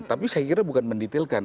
tapi saya kira bukan mendetailkan